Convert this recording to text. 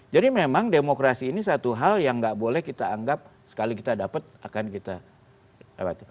jadi memang demokrasi ini satu hal yang nggak boleh kita anggap sekali kita dapat akan kita dapat